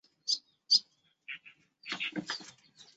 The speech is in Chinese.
圣艾蒂安德丰贝隆。